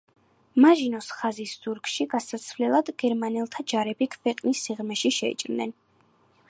მაჟინოს ხაზის ზურგში გასასვლელად გერმანელთა ჯარები ქვეყნის სიღრმეში შეიჭრნენ.